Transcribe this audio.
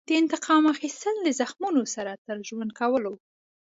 د انتقام اخیستل د زخمونو سره تر ژوند کولو.